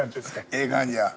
ええ感じや。